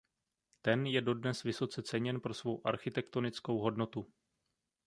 Ten je dodnes vysoce ceněn pro svou architektonickou hodnotu.